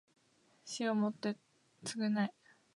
死をもって償え